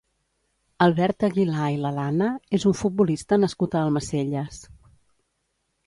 Albert Aguilà i Lalana és un futbolista nascut a Almacelles.